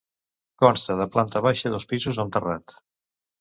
Consta de planta baixa i dos pisos amb terrat.